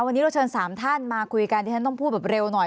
วันนี้เราเชิญ๓ท่านมาคุยกันที่ฉันต้องพูดแบบเร็วหน่อย